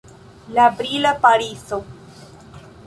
La brila Parizo.